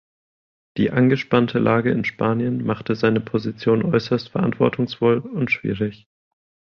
Die angespannte Lage in Spanien machte seine Position äußerst verantwortungsvoll und schwierig.